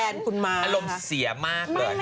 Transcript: คุณมาอารมณ์เสียมากเลย